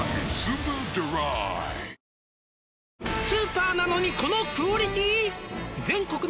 「スーパーなのにこのクオリティ！？」